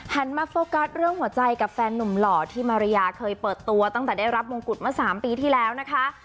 มาโฟกัสเรื่องหัวใจกับแฟนหนุ่มหล่อที่มาริยาเคยเปิดตัวตั้งแต่ได้รับมงกุฎเมื่อ๓ปีที่แล้วนะคะ